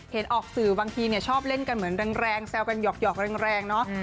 ออกสื่อบางทีชอบเล่นกันเหมือนแรงแซวกันหยอกแรงเนาะ